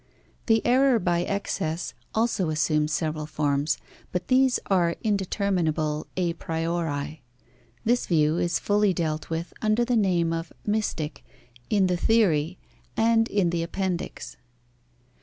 The error by excess also assumes several forms, but these are indeterminable a priori. This view is fully dealt with under the name of mystic, in the Theory and in the Appendix.